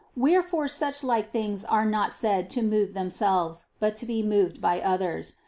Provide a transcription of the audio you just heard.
Wherefore such like things are not said to move themselves, but to be moved by others.